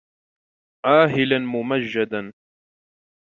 عاهــــــــــــــــلا ممجــــــــــــــــدا